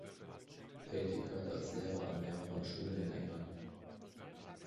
Tätigkeit als Lehrer an mehreren Schulen in England.